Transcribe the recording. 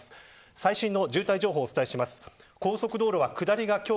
最新の渋滞情報をお伝えします。